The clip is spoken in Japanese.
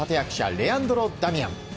レアンドロ・ダミアン。